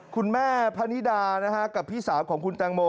คุณแม่พะนิดากับพี่สาวของคุณแตงโม